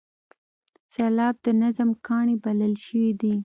سېلاب د نظم کاڼی بلل شوی دی.